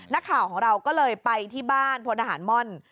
นักข่าวของเราก็เลยไปที่บ้านพลทหารม่อน